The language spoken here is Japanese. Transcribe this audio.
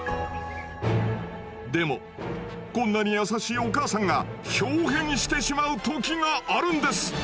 でもこんなに優しいお母さんがひょう変してしまう時があるんです。